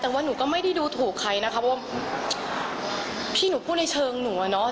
แต่ว่าหนูก็ไม่ได้ดูถูกใครนะคะเพราะว่าพี่หนูพูดในเชิงหนูอะเนาะ